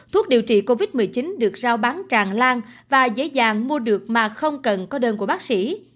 thuốc điều trị covid một mươi chín được giao bán tràn lan và dễ dàng mua được mà không cần có đơn của bác sĩ